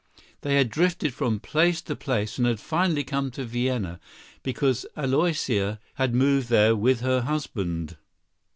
They had drifted from place to place and had finally come to Vienna, because Aloysia had moved there with her husband.